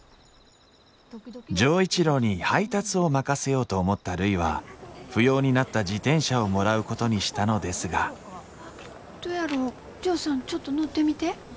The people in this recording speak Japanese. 錠一郎に配達を任せようと思ったるいは不要になった自転車をもらうことにしたのですがどやろうジョーさんちょっと乗ってみて。